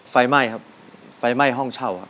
ไฟไหม้ครับไฟไหม้ห้องเช่าครับ